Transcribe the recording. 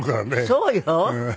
そうよ。